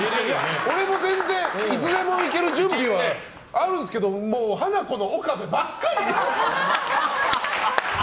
俺は全然いつでも行ける準備はあるんですけどハナコの岡部ばっかり！